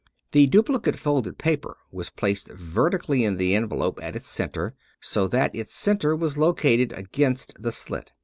The duplicate folded paper was placed verti cally in the envelope at its center, so that its center was located against the slit.